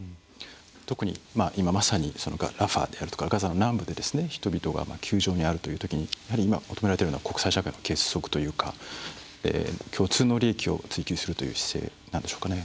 特に今まさにラファやガザの南部で人々が窮状にあるというときに今求められているのは国際社会の結束というか共通の利益を追求するという姿勢なんでしょうか。